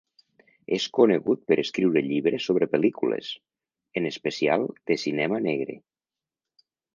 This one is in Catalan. És conegut per escriure llibres sobre pel·lícules, en especial de cinema negre.